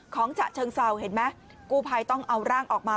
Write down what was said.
ฉะเชิงเศร้าเห็นไหมกู้ภัยต้องเอาร่างออกมา